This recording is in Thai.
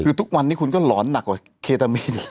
คือทุกวันนี้คุณก็หลอนหนักกว่าเคตามีน